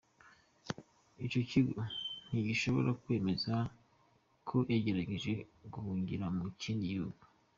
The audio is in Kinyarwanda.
Ico kigo ntigishobora kwemeza ko yagerageje guhungira mu kindi gihugu.